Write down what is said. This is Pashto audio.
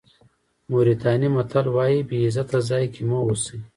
موریتاني متل وایي بې عزته ځای کې مه اوسئ.